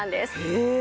へえ！